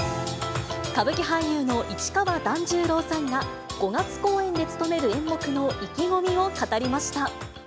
歌舞伎俳優の市川團十郎さんが５月公演で勤める演目の意気込みを語りました。